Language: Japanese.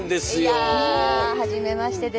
いやはじめましてです。